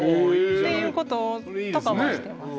っていうこととかもしてます。